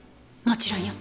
もちろんよ。